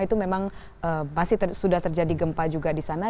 itu memang masih sudah terjadi gempa juga di sana